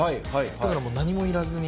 だからもう何もいらずに。